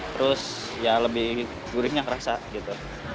terus ya lebih gurihnya kerasa gitu